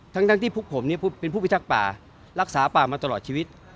ทั้งที่พวกผมเป็นผู้พิทักษ์ป่ารักษาป่ามาตลอดชีวิต